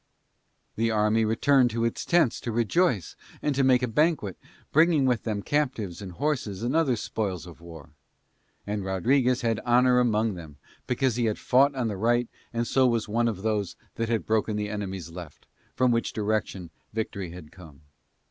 The army returned to its tents to rejoice and to make a banquet, bringing with them captives and horses and other spoils of war. And Rodriguez had honour among them because he had fought on the right and so was one of those that had broken the enemy's left, from which direction victory had come.